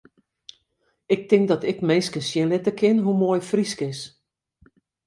Ik tink dat ik minsken sjen litte kin hoe moai Frysk is.